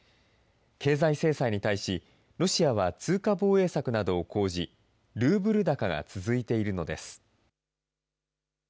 経済制裁に対し、ロシアは通貨防衛策などを講じ、ルーブル高が続いているのです。